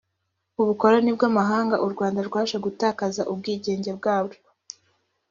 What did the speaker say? ubukoloni bw‘amahanga u rwanda rwaje gutakaza ubwigenge bwarwo